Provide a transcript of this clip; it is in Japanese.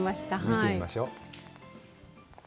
見てみましょう。